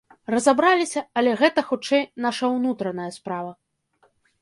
Разабраліся, але гэта, хутчэй, наша ўнутраная справа.